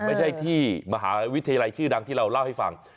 ไม่ใช่ที่มหาวิทยาลัยชื่อดังที่เราเล่าให้ฟัง